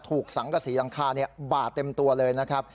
ถูกสังกษีหลังคาบาดเต็มตัวเลยนะครับ